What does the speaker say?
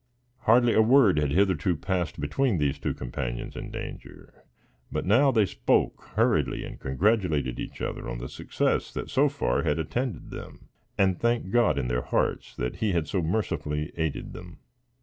Hardly a word had hitherto passed between these two companions in danger, but now they spoke hurriedly and congratulated each other on the success that so far had attended them, and thanked God in their hearts that He had so mercifully aided them.